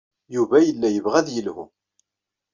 Yuba yella yebɣa ad yelhu.